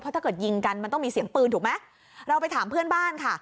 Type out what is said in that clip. ถ้าเกิดยิงกันมันต้องมีเสียงปืนถูกไหมเราไปถามเพื่อนบ้านค่ะ